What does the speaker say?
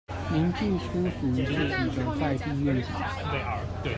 凝聚出屬於自己的在地願景